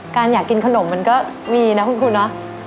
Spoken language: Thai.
อยากกินขนมมันก็มีนะคุณครูเนาะ